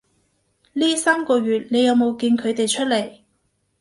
呢三個月你有冇見佢哋出來